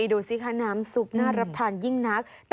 ดูสิคะน้ำซุปน่ารับทานยิ่งนัก